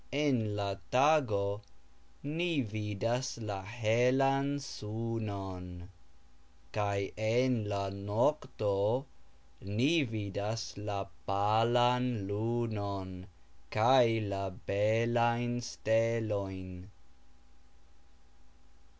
En la tago ni vidas la helan sunon, kaj en la nokto ni vidas la palan lunon kaj la belajn stelojn.